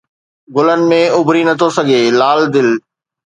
گلن ۾ اُڀري نٿو سگهي، لال دل